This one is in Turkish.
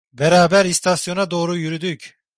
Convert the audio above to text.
Beraber istasyona doğru yürüdük.